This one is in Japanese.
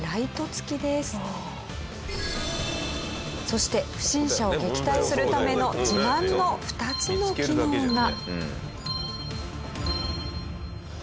そして不審者を撃退するための自慢の２つの機能が。